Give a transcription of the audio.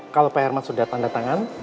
kalau pak herman sudah tanda tangan